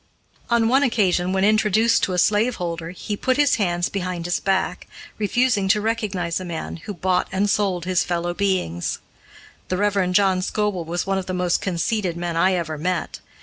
On one occasion, when introduced to a slaveholder, he put his hands behind his back, refusing to recognize a man who bought and sold his fellow beings. The Rev. John Scoble was one of the most conceited men I ever met.